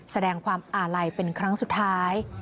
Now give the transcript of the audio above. แสดงความอาลัยเป็นครั้งสุดท้าย